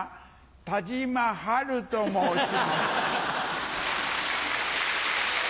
タジマハルと申します。